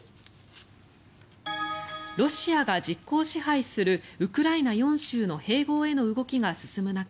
ロシアが実効支配するウクライナ４州の併合への動きが進む中